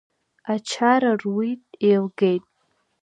Ачара руит, еилгеит.